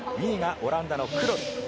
２位がオランダのクロル。